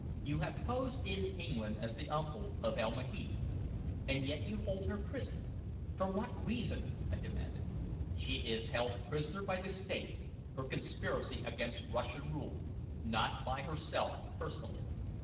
"You have posed in England as the uncle of Elma Heath, and yet you here hold her prisoner. For what reason?" I demanded. "She is held prisoner by the State for conspiracy against Russian rule not by herself personally."